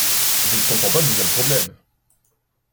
Je ne comprends pas d'où vient le problème.